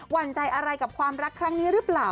หั่นใจอะไรกับความรักครั้งนี้หรือเปล่า